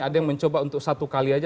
ada yang mencoba untuk satu kali aja